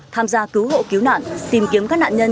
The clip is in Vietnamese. tham gia cứu hộ cứu nạn tìm kiếm các nạn nhân